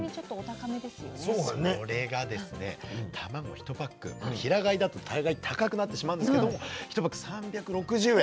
１パック平飼いだと大概高くなってしまうんですけども１パック３６０円。